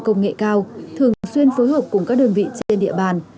công nghệ cao thường xuyên phối hợp cùng các đơn vị trên địa bàn